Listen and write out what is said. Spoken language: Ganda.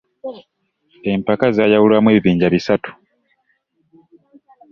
Empaka zaayawulwamu ebibinja bisatu